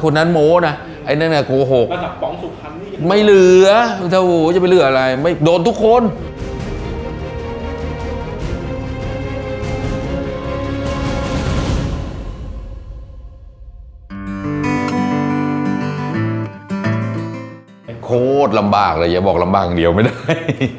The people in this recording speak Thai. โคตรลำบากเลยอย่าบอกลำบากอย่างเดียวไม่ได้